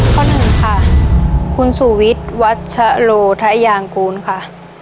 ข้อหนึ่งค่ะคุณสูวิทย์วัชโลทะยางกูลค่ะ